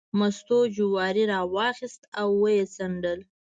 مستو جواری راواخیست او یې څنډل.